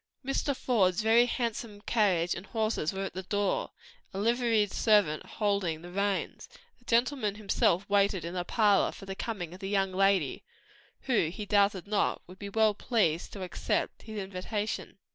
Mr. Faude's very handsome carriage and horses were at the door, a liveried servant holding the reins, while the gentleman himself waited in the parlor for the coming of the young lady, who, he doubted not, would be well pleased to accept his invitation.